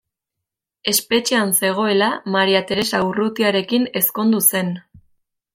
Espetxean zegoela Maria Teresa Urrutiarekin ezkondu zen.